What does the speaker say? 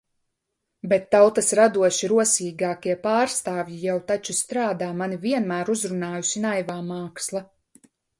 Bet tautas radoši rosīgākie pārstāvji jau taču strādā! Mani vienmēr uzrunājusi naivā māksla.